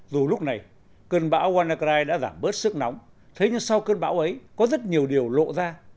dù lúc này cơn bão wannacrai đã giảm bớt sức nóng thế nhưng sau cơn bão ấy có rất nhiều điều lộ ra